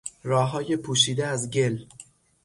راههای پوشیده از گل